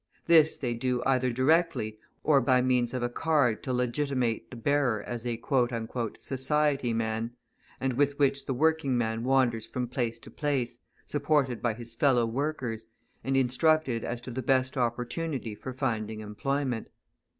This they do either directly or by means of a card to legitimate the bearer as a "society man," and with which the working man wanders from place to place, supported by his fellow workers, and instructed as to the best opportunity for finding employment.